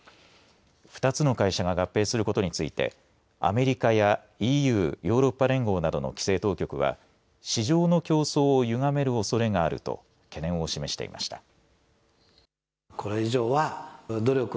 ２つの会社が合併することについてアメリカやＥＵ、ヨーロッパ連合などの規制当局は市場の競争をゆがめるおそれがあると懸念を示していました。